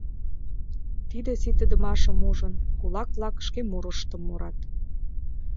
Тиде ситыдымашым ужын, кулак-влак, шке мурыштым мурат.